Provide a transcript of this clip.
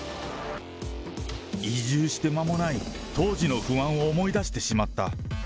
移住して間もない当時の不安を思い出してしまった。